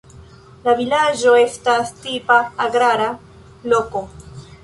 La vilaĝo estas tipa agrara loko.